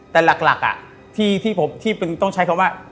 แต่หลักที่ต้องใช้คำว่า